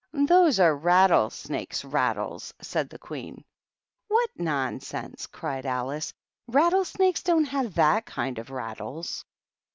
"Those are rattlesnakes' rattles," said th Queen. " What nonsense !" cried Alice. " Rattle snakes don't have that kind of rattles